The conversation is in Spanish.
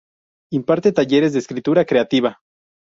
Imparte talleres de escritura creativa.